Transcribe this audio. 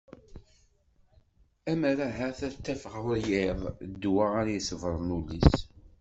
Ammer ahat ad taf ɣur yiḍ ddwa ara iṣebbren ul-is.